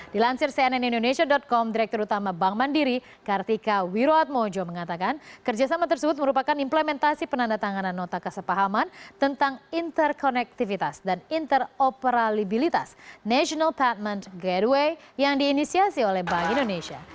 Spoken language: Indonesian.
dilansir cnn indonesia com direktur utama bank mandiri kartika wiroatmojo mengatakan kerjasama tersebut merupakan implementasi penandatanganan nota kesepahaman tentang interkonektivitas dan interoperalibilitas national partment gateway yang diinisiasi oleh bank indonesia